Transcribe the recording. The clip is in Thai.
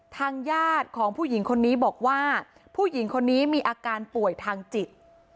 ทางญาติของผู้หญิงคนนี้บอกว่าผู้หญิงคนนี้มีอาการป่วยทางจิต